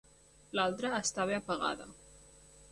L'altra estava apagada.